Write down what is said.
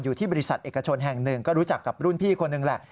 อยู่ที่บริษัทเอกชนแห่งหนึ่งก็รู้จักกับรุ่นพี่คนหนึ่งแหละ